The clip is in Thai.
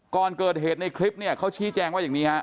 ก่อนเกิดเหตุในคลิปเนี่ยเขาชี้แจงว่าอย่างนี้ฮะ